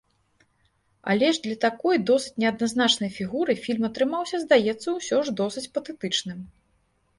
Але ж для такой досыць неадназначнай фігуры фільм атрымаўся, здаецца, усё ж досыць патэтычным.